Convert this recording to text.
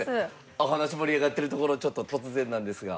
お話盛り上がってるところちょっと突然なんですが。